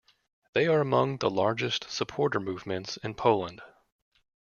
They are among the largest supporter movements in Poland.